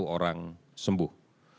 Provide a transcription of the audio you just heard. dua puluh satu orang sembuh